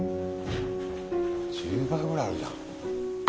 １０倍ぐらいあるじゃん。